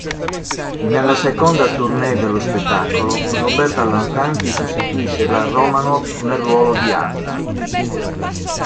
Nella seconda tournée dello spettacolo, Roberta Lanfranchi sostituisce la Romanoff nel ruolo di Anna.